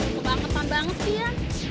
kebangetan banget sih ya